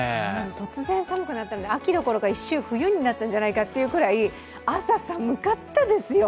突然寒くなったので、秋どころか、冬になったんじゃないかっていうぐらい朝、寒かったですよ。